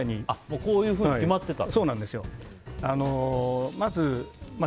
こういうふうに決まっていたと。